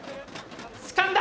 つかんだ！